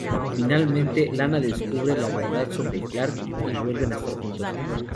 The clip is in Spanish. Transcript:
Finalmente, Lana descubre la verdad sobre Clark y vuelven a estar juntos.